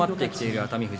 熱海富士。